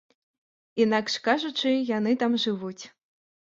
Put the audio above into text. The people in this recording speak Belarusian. Інакш кажучы, яны там жывуць.